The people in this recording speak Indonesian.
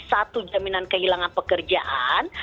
satu jaminan kehilangan pekerjaan